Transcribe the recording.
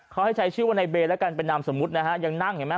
เขาให้ใช้ชื่อว่าในเบย์แล้วกันเป็นนามสมมุตินะฮะยังนั่งเห็นไหม